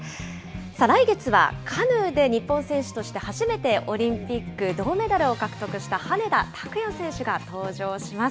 来月は、カヌーで日本選手として初めてオリンピック銅メダルを獲得した、羽根田卓也選手が登場します。